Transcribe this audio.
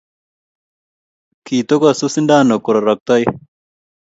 Kitokasu sindano kororoktoi